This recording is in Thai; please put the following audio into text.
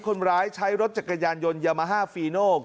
คนร้ายใช้รถจักรยานยนต์ยามาฮาฟีโน